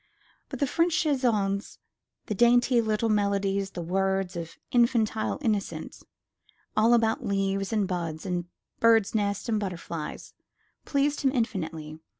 But the French chansons, the dainty little melodies with words of infantile innocence, all about leaves and buds, and birds' nests and butterflies, pleased him infinitely.